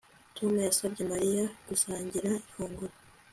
Tom yasabye Mariya gusangira ifunguro